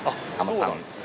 そうなんですか。